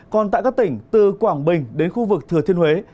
còn tại các tỉnh từ quảng bình đến khu vực thừa thiên huế